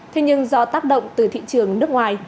thế nhưng do tác động từ thị trường nước ngoài